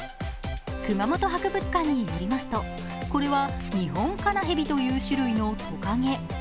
熊本博物館によりますとこれはニホンカナヘビという種類のトカゲ。